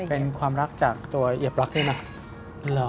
เป็นความรักจากตัวเอียบรักนี่หรือ